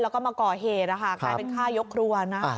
แล้วก็ก่อเหรียะกายเป็นค่ายกเตอร์ครัวนะคะ